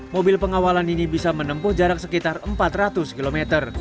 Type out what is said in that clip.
mobil pengawalan ini bisa menempuh jarak sekitar empat ratus km